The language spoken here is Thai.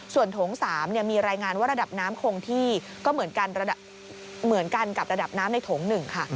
ส่วนโถง๓มีรายงานว่าระดับน้ำคงที่ก็เหมือนกันเหมือนกันกับระดับน้ำในโถง๑ค่ะ